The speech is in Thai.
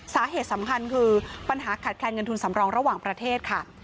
สาเหตุสำคัญคือปัญหาขาดแคลนเงินทุนสำรองระหว่างประเทศค่ะ